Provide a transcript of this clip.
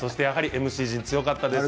ＭＣ陣は強かったですね。